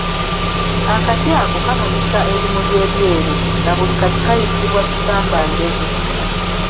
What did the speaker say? Akati ako kamulisa ebimuli ebyeru na buli kati kayitibwa Kisambandege.